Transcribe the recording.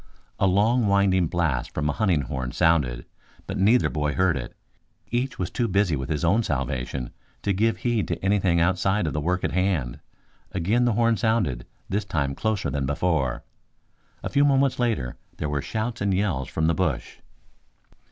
A long winding blast from a hunting horn sounded, but neither boy heard it. Each was too busy with his own salvation to give heed to anything outside of the work at hand. Again the horn sounded, this time closer than before. A few moments later there were shouts and yells from the bush.